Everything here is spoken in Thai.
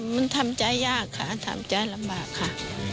มันทำใจยากค่ะทำใจลำบากค่ะ